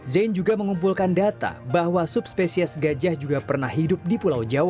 zain juga mengumpulkan data bahwa subspesies gajah juga pernah hidup di pulau jawa